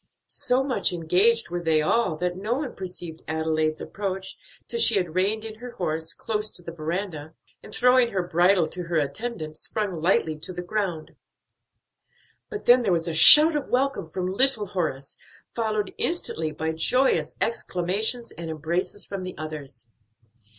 So much engaged were they all that no one perceived Adelaide's approach till she had reined in her horse close to the veranda, and throwing her bridle to her attendant, sprung lightly to the ground. But then there was a shout of welcome from little Horace, followed instantly by joyous exclamations and embraces from the others.